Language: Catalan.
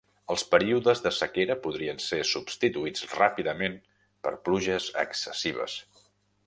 Els períodes de sequera podrien ser substituïts ràpidament per pluges excessives.